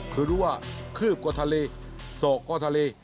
คือรู้ว่าคืบกว่าทะเลสอกก็ทะเล